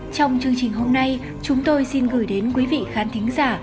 trong chương trình hôm nay chúng tôi xin gửi đến quý vị khán thính giả